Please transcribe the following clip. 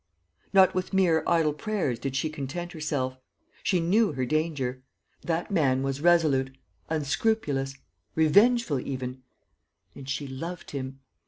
Not with mere idle prayers did she content herself. She knew her danger; that man was resolute, unscrupulous, revengeful even: and she loved him.